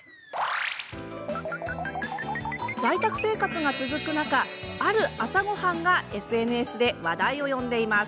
在宅生活が続く中ある朝ごはんがＳＮＳで話題を呼んでいます。